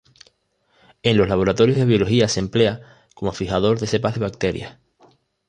En los laboratorios de biología se emplea como "fijador" de cepas de bacterias.